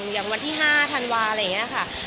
อย่างวันที่๕ธันวาอะไรอย่างนี้ค่ะ